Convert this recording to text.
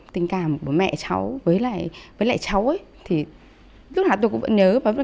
tình cảm của mẹ cháu với lại cháu thì lúc nào tôi cũng vẫn nhớ